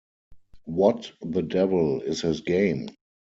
What the devil is his game?